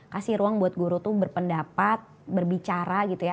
kasih ruang buat guru itu berpendapat berbicara gitu ya